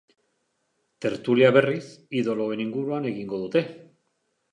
Tertulia, berriz, idoloen inguruan egingo dute.